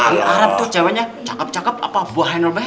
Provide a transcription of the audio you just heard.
di arab tuh ceweknya cakep cakep apa buahnya normal